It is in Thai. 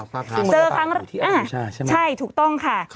อัลฟ้าพลัสเจอครั้งใช่ถูกต้องค่ะ